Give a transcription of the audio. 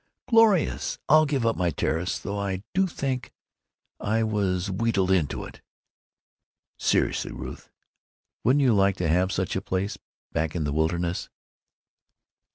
"Glorious! I'll give up my terrace. Though I do think I was w'eedled into it." "Seriously, Ruth, wouldn't you like to have such a place, back in the wilderness?"